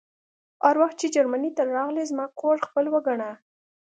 هر وخت چې جرمني ته راغلې زما کور خپل وګڼه